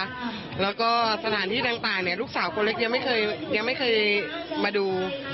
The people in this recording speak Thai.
เพราะสถานที่ต่างลูกสาวคนเล็กยังไม่เคยมาดู